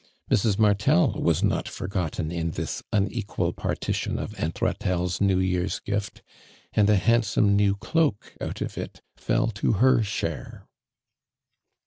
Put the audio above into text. Mrs. Martel was not for gotten in this unequal partition of Aunt Katelle's New Yeuvr's gift, and a handsome new cloak out of it fell to her share.